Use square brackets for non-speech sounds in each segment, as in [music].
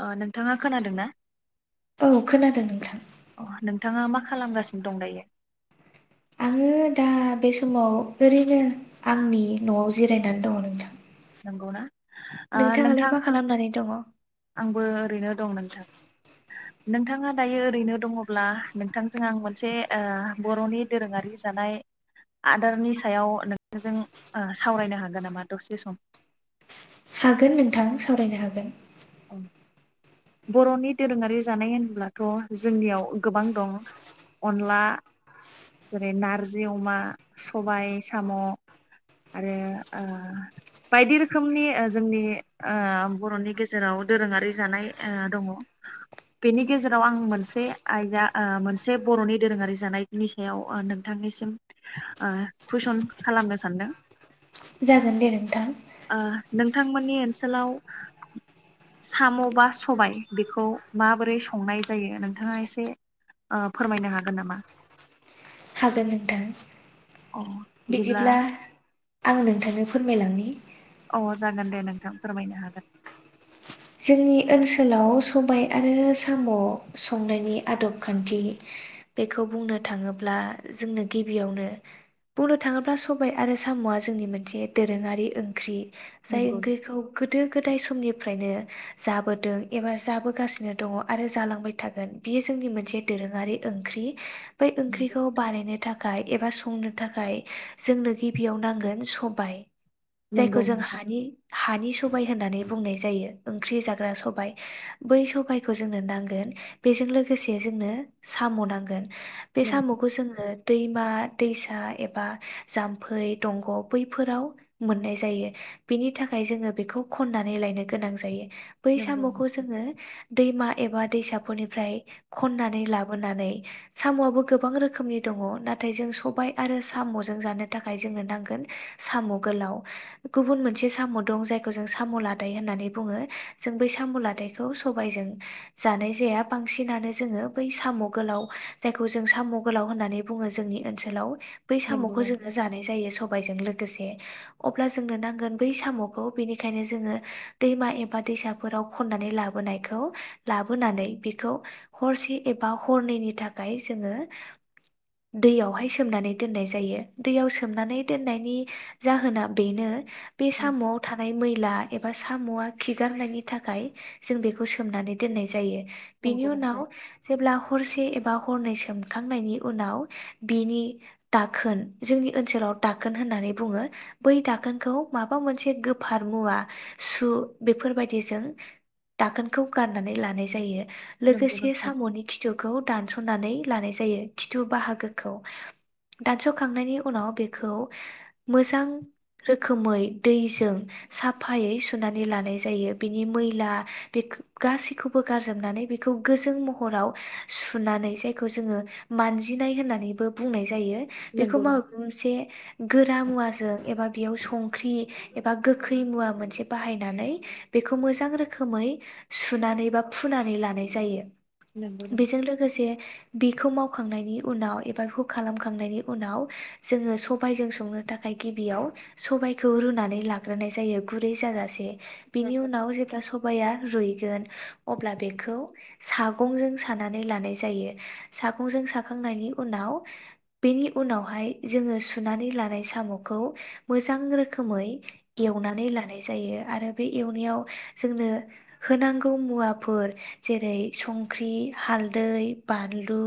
अ नों थाङा खोनादों ना? औ खोनादों नोंथां। अह नोंथाङा मा खालामगासिनो दं दायो?। आङो दा बे समाव ओरैनो आंनि न'आव जिरायनान दङ नोंथां। गौना नोंथाङालाय मा खालामनानै दङ? आंबो ओरैनो दं नोंथां नोंथाङा दायो ओरैनो दङब्ला नोंथांजों आं मोनसे ओ बर'नि दोरोङारि जानाय आदारनि सायाव नोंथांजों ओ सावरायनो हागोन नामा दसे सम? हागोन नोंथां सावरायनो हागोन। बर'नि दोरोङारि जानाय होनब्लाथ' जोंनियाव गोबां दं अनला जेरै नारजि अमा सबाय साम' आरो ओ बायदि रोखोमनि ओ जोंनि आ बर'नि गेज जेराव दोरोङारि जानाय ओ दङ बेनि गेजेराव आं मोनसे आयदा आ मोनसे बर'नि दोरोङारि जानायनि सायाव नोंथांनिसिम आ खुइसन खालामनो सानदों? जागोन दे नोंथां। ओ नोंथांमोननि ओनसोलाव साम' बा सबाय बेखौ माबोरै संनाय जायो नोंथाङा एसे ओ फोरमायनो हागोन नामा? हागोन नोंथां। अ बिदिब्ला आंङो नोंथांनो फोरमायलांनि अ जागोनदे नोंथां फोरमायनो हागोन। जोंनि ओनसोलाव सबाय आरो साम' संनायनि आदब खान्थि बेखौ बुंनो थाङोब्ला जोंनो गिबियावनो बुंनो थाङोब्ला सबाय आरो साम'आ जोंनि मोनसे दोरोङारि ओंख्रि। जाय नंगौ नोंथां ओंख्रिखौ गोदो गोदाय समनि फ्रायनो। जाबोदों एबा जाबोगासिनो दङ आरो जालांबाय थागोन बियो जोंनि मोनसे दोरोङारि ओंख्रि बै ओंख्रिखौ बानायनो था खाय एबा संनो थाखाय जोंनो गिबियाव नांगोन सबाय जायखौ नंगौ जों नोंथां हानि हानि सबाय होननानै बुंनाय जायो ओंख्रि जाग्रा सबाय बै सबायखौ जोंनो नांगोन बेजों लोगोसे जोंनो साम' नांगोन बे साम'खौ जोङो दैमा दैसा एबा जाम्फै दंग' बैफोराव मोननाय जायो बेनि थाखाय जोङो बेखौ खन्नानै लायनो गोनां जायो बै नंगौ साम'खौ नोंथां जोङो दैमा एबा दैसाफोरनिफ्राय खननानै लाबोनानै साम'आबो गोबां रोखोमनि दङ नाथाय जों सबाय आरो साम'जों जानो थाखाय जोंनो नांगोन साम' गोलाव गुबुन मोनसे साम' दं जायखौ जों साम' लादाय होननानै बुङो जों बै साम' लादायखौ सबायजों जानाय जाया बांसिनानो जोङो बै साम' गोलाव जायखौ जों साम' गोलाव होननानै बुङो जोंनि ओनसोलाव बै नंगौ साम'खौ नोंथां जोङो जानाय जायो सबायजों लोगो गोसे अब्ला जोंनो नांगोन बै साम'खौ बेनिखायनो जोङो दैमा एबा दैसाफोराव खननानै लाबोनायखौ लाबोनानै बेखौ हरसे एबा हरनैनि थाखाय जोङो दैयावहाय सोमनानै दोननाय जायो दैयाव सोमनानै दोननायनि जाहोना बेनो बे साम'आव थानाय मैला एबा स साम'आ खिगारनायनि थाखाय जों बेखौ सोमनानै दोननाय जायो बेनि नंगौ नोंथां उनाव जेब्ला हर से एबा हरनै सोमखांनायनि उनाव बिनि दाखोन जोंनि ओनसोलाव दाखोन होननानै बुङो बै दाखोनखौ माबा मोनसे गोफार मुवा सु बेफोरबायदिजों दाखोनखौ गारनानै लानाय जायो नंगौ नोंथां नंगौ लोगोसे नोंथां सामनि खिथुखौ दानसनानै लानाय जायो खिथु बाहागोखौ दानसखांनायनि उनाव बेखौ मोजां रोखोमै दैजों साफायै सु सुनानै लानाय जायो बिनि मैला बे गासैखौबो गारजोबनानै बेखौ गोजों महराव सुनानै जायखौ जोङो मानजिनाय होननानैबो बुंनाय जायो जायो बेखौ नंगौ मा नोंथां मोनसे गोरा मुवाजों एबा बेयाव संख्रि एबा गोखै मुवा मोनसे बाहायनानै बेखौ मोजां रोखोमै सुनानै बा फुनानै लानाय जायो बेजों लोगोसे बे बेखौ मावखांनायनि उनाव एबा आंखौ खालामखांनायनि उनाव जोङो सबायजों संनो थाखाय गिबियाव सबखौ रुनानै लाग्रोनाय जायो गुरै जाजा से बिनि उनाव जेब्ला सबाया रुयो गोन अब्ला बेखौ सागंजों सानानै लानाय जायो सागंजों साखांनायनि उनाव बेनि उनावहाय जोङो सुनानै लानाय सामखौ मोजां रोखोमै एवनानै लानाय जायो आरो बे एवनायाव जोंनो होनांगौ मुवाफोर जेरै संख्रि हालदै बानलु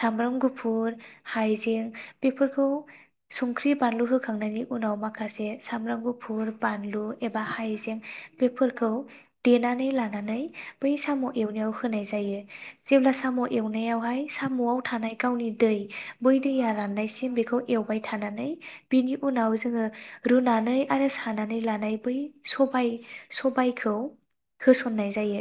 सामब्राम गुफुर हाइजें बेफोरखौ संख्रि बानलु होखांनायनि उनाव माखासे सामब्राम गुफुर बानलु एबा हाइजें बेफोरखौ देनानै लानानै बै साम एवनायाव होनाय जायो जेब्ला साम एवनायावहाय सामआव थानाय गावनि दै बै दैया राननायसिम बेखौ एवबाय थानानै बिनि उनाव जोङो रुनानै आरो सानानै लानाय बै सबाय सबायखौ होसननाय जायो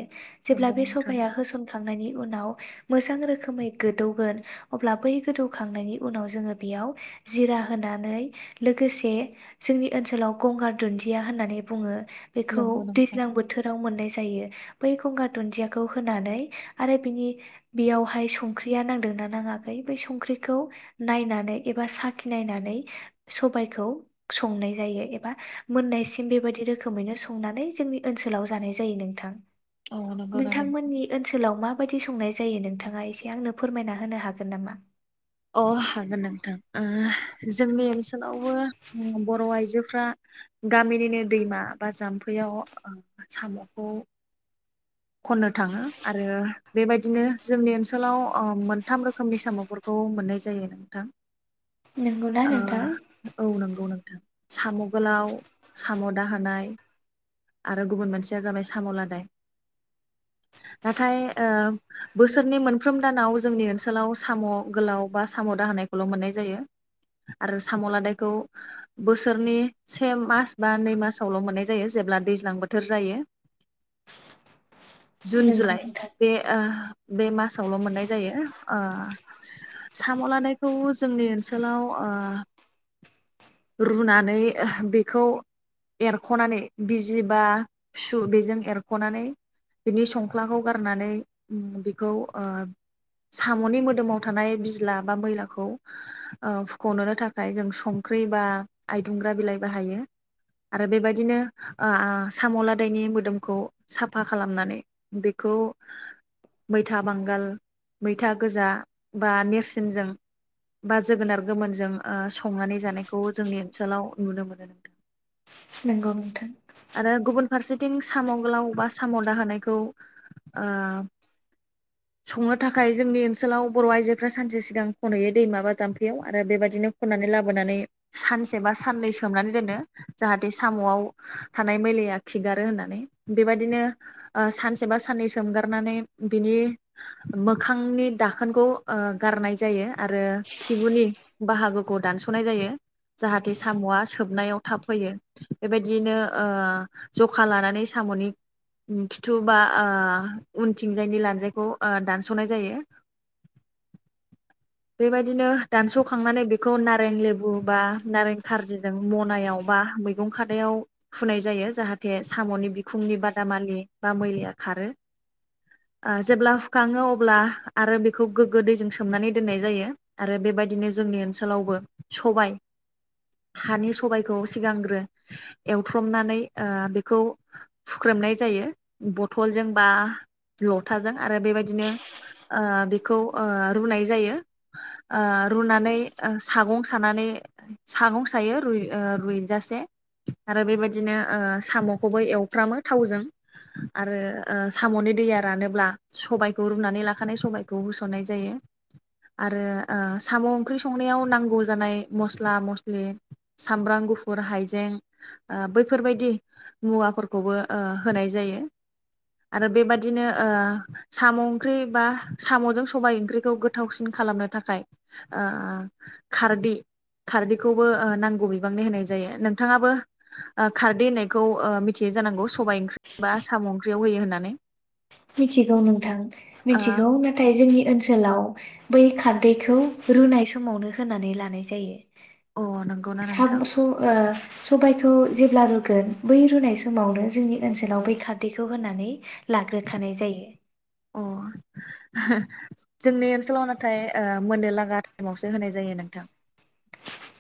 जेब्ला नंगौ बे नोंथां सबाया होसनखांनायनि उनाव मोजां रोखोमै गोदौगोन अब्ला बै गोदौखांनायनि उनाव जोङो बेयाव जिरा होनानै लोगोसे जोंनि ओनसोलाव गंगार दुन्दिया होननानै बुङो बेखौ नंगौ नोंथां दैज्लां बोथोराव मोननाय जायो बै गंगार दुन्दियाखौ होनानै आरो बिनि बेयावहाय संख्रिया नांदोंना नाङाखै बै संख्रिखौ नायनानै एबा साखिनायनानै सबायाइखौ संनाय जायो एबा मोननायसि थिग बेबायदि रोखोमैनो संनानै जोंनि ओनसोलाव जानाय जायो नोंथां। अ नंगौना नोंथां नोंथांमोननि ओनसोलाव माबायदि संनाय जायो नोंथाङा एसे आंनो फोरमायना होनो हागोन नामा? अ हागोन नोंथां ओ जोंनि ओनसोलावबो बर' आइजोफ्रा गामिनिनो दैमा बा जाम्फैयाव साम'खौ खननो थाङो आरो बेबायदिनो जोंनि ओनसोलाव ओ मोनथाम रोखोमनि सामफोरखौ मोननाय जायो नोंथां। नंगौना नोंथां ओ औ नंगौ नोंथां। साम' गोलाव साम' दाहोनाय आरो गुबुन मोनसेया जाबाय साम' लादाय। नाथाय ओ बोसोरनि मोनफ्रोम दानाव जोंनि ओनसोलाव साम' गोलाव बा साम' दाहोनायखौल मोननाय जायो आरो साम' लादायखौ बोसोरनि से मास बा नै मासावल मोननाय जायो जेब्ला दैज्लां बोथोर जायो। जुन नंगौ जुलाइ नोंथां बे ओ बे मासावल मोननाय जायो ओ साम' लादायखौ जोंनि ओनसोलाव ओ रुनानै बेखौ एरखनानै बिजि बा सु बेजों एरखनानै बिनि संख्लाखौ गारनानै बेखौ ओ साम'नि मोदोमाव थानाय बिजला बा मैलाखौ ओ फुखनोनो थाखाय जों संख्रि बा आइदुंग्रा बिलाइ बाहायो आरो बेबायदिनो ओ आ साम' लादायनि मोदोमखौ साफ फा खालामनानै बेखौ मैथा बांगाल मैथा गोजा बा नेरसिनजों बा जोगोनार गोमोनजों ओ संनानै जानायखौ जोंनि ओनसोलाव नुनो मोनो नोंथां। नोंगौ नोंथां। आरो गुबुन फारसेथिं साम' गोलाव बा साम' दाहोनायखौ ओ संनो थाखाय जोंनि ओनसोलाव बर आइजोफ्रा सानसे सिगां खनहैयो दैमाबा जाम्फैयाव आरो बेबायदिनो खननानै लाबोनानै सानसे बा साननै सोमनानै दोनो जाहाथे साम'आव थानाय मैलाया खिगारो होननानै बेबायदिनो ओ सानसे बा साननै सोमगारनानै बिनि मोखांनि दाखोनखौ ओ गारनाय जायो आरो खिबुनि बाहागोखौ दानसनाय जायो जाहाथे साम'आ सोबनायाव थाब फैयो बेबायदियैनो ओ जखा लानानै सामनि खिथु बा ओ उनथिंजायनि लान्जायखौ ओ दानसनाय जायो बेबायदिनो दानसखांनानै बेखौ नारें लेबु बा नारें खार्जिजों मनायाव बा मैगं खादायाव फुनाय जायो जाहाथे साम'नि बिखुंनि बा दामालि बा मैलाया खारो ओ जेब्ला हुखाङो अब्ला आरो बेखौ गोग्गो दैजों सोमनानै दोननाय जायो आरो बेबायदिनो जोंनि ओनसोलावबो सबाइ हानि सबायखौ सिगांग्रो एवथ्रमनानै ओ बेखौ हुख्रेनाय जायो बथलजों बा लथाजों आरो बेबायदिनो ओ बेखौ ओ रुनाय जायो ओ रुनानै सागं सानानै सागं सायो रु रुइजासे आरो बेबायदिनो ओ साम'खौबो एवफ्र्रामो। हजों आरो ओ साम'नि दैया रानोब्ला सबायखौ रुनानै लाखानाय सबायखौ होसननाय जायो आरो ओ साम' ओंख्रि संनायाव नांगौ जानाय मस्ला मस्लि सामब्राम गुफुर हाइजें ओ बैफोरबायदि मुवाफोरखौबो। ओ होनाय जायो आरो बेबादिनो ओ साम' ओंख्रि बा साम'जों सबाय ओंख्रिखौ गोथावसिन खालामनो थाखाय ओ खारदै खारदैखौबो ओ नांगौ बिबांनि होनाय जायो नोंथाङाबो ओ खारदै होननायखौ ओ मिथियो जानांगौ? सबाइ ओंख्रि बा साम' ओंख्रियाव होयो होननानै। मिथिगौ नोंथां मिथिगौ नाथाय जोंनि ओनसोलाव बै खारदैखौ रुनाय समावनो होनानै लानाय ओ अ जायो। नंगौना नोंथां [unintelligible] ओ सबायखौ जेब्ला रुगोन बै रुनाय समावनो जोंनि ओनसोलाव बै खारदैखौ होनानै लागोन। खानाय जायो। अ जोंनि ओनसोलाव नाथाय ओ मोननो लागा समावसो होनाय जायो नोंथां।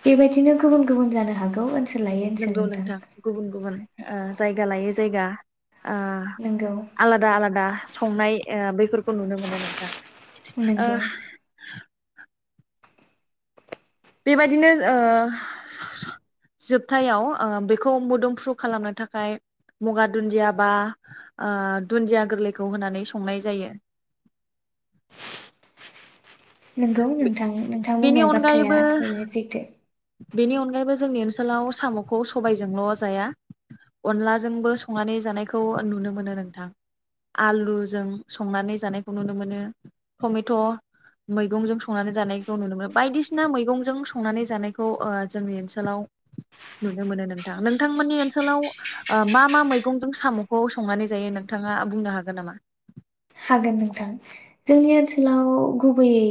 बेबायदिनो गुबुन गुबुन जानो हागौ। ओनसोल लायै ओनसोल नोंगौ नोंथां गुबुन गुबुन। ओ जायगा लायै जायगा। ओ नंगौ आलादा आलादा। संनाय ओ बेफोर। खौ नुनो मोनो नोंथां ओ नंगौ [inaudible] बेबायदिनो ओ जोबथायाव ओ बेखौ मोदोमफ्रु खालामनो थाखाय मुगा दुन्दिया बा दुन्दिया गोरलैखौ होनानै संनाय जायो। नंगौ नोंथां नोंथां बेनि बुंनाय अनगायैबो बाथ्राया थारैनो सैथो बेनि अनगायैबो जोंनि ओनसोलाव साम'खौ सबायजोंल' जाया अनलाजोंबो संनानै जानायखौ नुनो मोनो नोंथां आलुजों संनानै जानायखौ नुनो मोनो टमेट' मैगंजों संनानै जानायखौ नुनो मोनो बायदिसिना मैगंजों संनानै जानायखौ। जोंनि ओनसोलाव नुनो मोनो नोंथां नोंथांमोननि ओनसोलाव मा मा मैगंजों साम'खौ संनानै जायो नोंथाङा बुंनो हागोन नामा। हागोन नोंथां जोंनि ओनसोलाव गुबैयै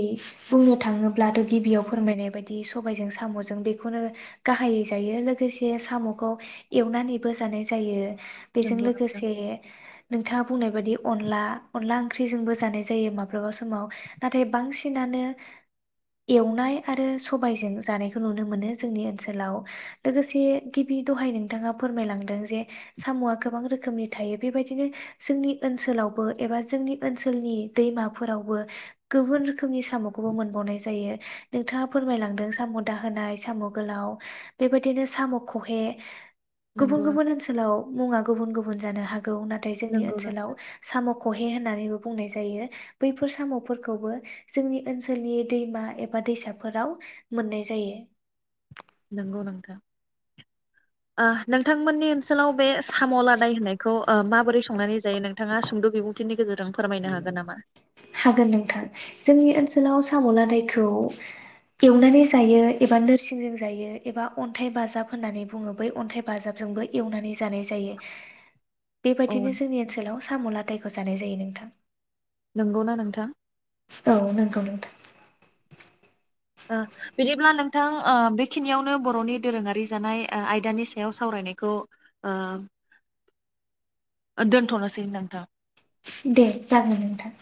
बुंनो थाङोब्लाथ' गिबियाव फोरमायनाय बायदि सबायजों साम'जों बेखौनो गाहायै जायो लोगोसे साम'खौ एवनानैबो जानाय जायो। बेजों नंगौ नोंथां लोगोसे नोंथाङा बुंनाय बायदि अनला। अनला ओंख्रिजोंबो जानाय जायो माब्लाबा समाव नाथाय बांसिनानो एवनाय आरो सबायजों जानायखौ नुनो मोनो जोंनि ओनसोलाव लोगोसे गिबि दहाय नोंथाङा फोरमायलांदों जे साम'आ गोबां रोखोमनि थायो बेबायदिनो जोंनि ओनसोलावबो एबा। जोंनि ओनसोलनि दैमाफोरावबो गुबुन रोखोमनि साम'खौबो मोनबावनाय जायो नोंथाङा फोरमायलांदों साम' दाहोनाय साम' गोलाव बेबायदिनो साम' खहे। गुबुन नंगौ गुबुन ओनसोलाव मुङा गुबुन गुबुन। गुबजानो हागो गौ नाथाय जोंनि नंगौ ओनाव नोंथां साम' खहे होननानै बुंनाय जायो बैफोर साम'फोरखौबो जोंनि ओनसोलनि दैमा एबा दैसाफोराव मोननाय जायो। नंगौ नोंथां ओ नोंथांमोननि ओनसोलाव बे साम' लादाय होनायखौ माबोरै संनानै जायो नोंथाङा सुंद' बिबुंथिनि गेजेरजों। फोरमायनो हागोन नामा? हागोन नोंथां जोंनि ओनसोल। ओनसोलाव साम' लादायखौ एवनानै जायो एबा नोरसिंजों जायो एबा अन्थाइ बाजाब होननानै बुङो बै अन्थाइ बाजाबजोंबो एवनानै जानाय जायो। अ बेबायदिनो जोंनि ओनसोलाव। साम' आदथायखौ जानाय जायो नोंथां। नंगौना नोंथां‌। औ नंगौ नोंथां बिदिब्ला नोंथां बेखिनियावनो बर'नि दोरोङारि जानाय ओ आयदानि सायाव सावरायनायखौ [inaudible] दोन्थ'नोसै नोंथां दे जागोन नोंथां